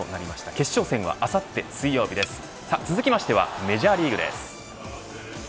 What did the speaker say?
決勝戦はあさって水曜日です続きましてはメジャーリーグです。